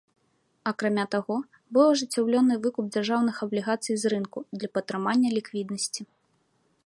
Акрамя таго, быў ажыццёўлены выкуп дзяржаўных аблігацый з рынку для падтрымання ліквіднасці.